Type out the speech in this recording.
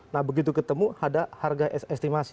nah begitu ketemu ada harga estimasi